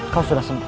kau sudah sembuh